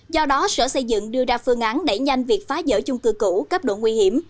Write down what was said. do đó sở xây dựng đưa ra phương án đẩy nhanh việc phá rỡ chung cư cũ cấp độ nguy hiểm